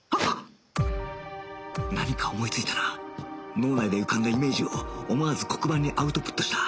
脳内で浮かんだイメージを思わず黒板にアウトプットした